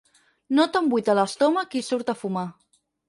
Nota un buit a l'estómac i surt a fumar.